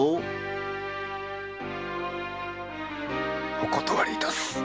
お断りいたす。